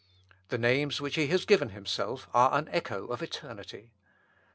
The names which he has given himself are an echo of eternity."